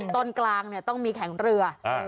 ต้นกลางต้องมีแข่งเรือ